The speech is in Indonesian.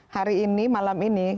hari ini malam ini